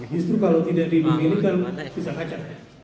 justru kalau tidak dimiliki kan bisa kacau